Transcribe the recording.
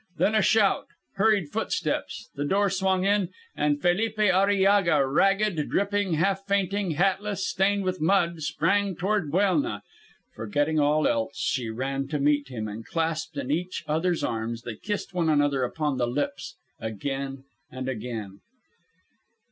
Then a shout, hurried footsteps, the door swung in, and Felipe Arillaga, ragged, dripping, half fainting, hatless and stained with mud, sprang toward Buelna. Forgetting all else, she ran to meet him, and, clasped in each other's arms, they kissed one another upon the lips again and again.